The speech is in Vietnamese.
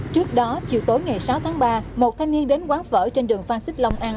trước đó chiều tối ngày sáu tháng ba một thanh niên đến quán phở trên đường phan xích long ăn